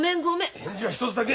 返事は一つだけ！